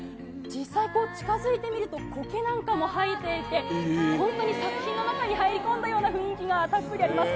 実際こう、近づいてみると、こけなんかも生えていて、本当に作品の中に入り込んだような雰囲気がたっぷりあります。